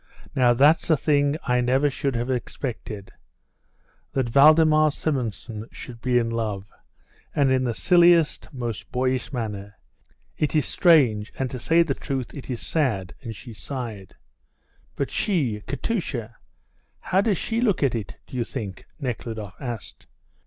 Now, that's a thing I never should have expected, that Valdemar Simonson should be in love, and in the silliest, most boyish manner. It is strange, and, to say the truth, it is sad," and she sighed. "But she? Katusha? How does she look at it, do you think?" Nekhludoff asked.